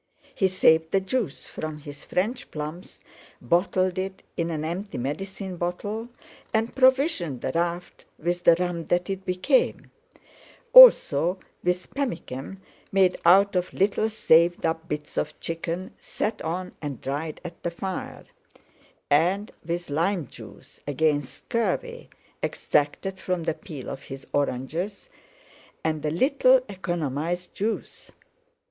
He saved the juice from his French plums, bottled it in an empty medicine bottle, and provisioned the raft with the rum that it became; also with pemmican made out of little saved up bits of chicken sat on and dried at the fire; and with lime juice against scurvy, extracted from the peel of his oranges and a little economised juice.